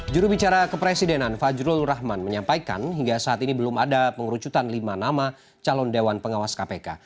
jurubicara kepresidenan fajrul rahman menyampaikan hingga saat ini belum ada pengerucutan lima nama calon dewan pengawas kpk